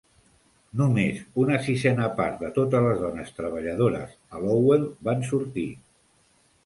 Només una sisena part de totes les dones treballadores a Lowell van sortir.